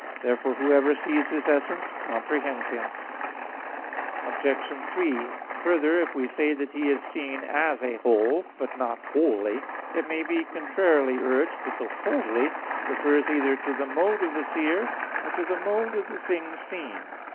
Therefore whoever sees His essence, comprehends Him. Obj. 3: Further, if we say that He is seen as a "whole," but not "wholly," it may be contrarily urged that "wholly" refers either to the mode of the seer, or to the mode of the thing seen.